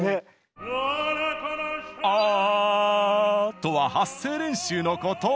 「あ！」とは「発声練習」のこと！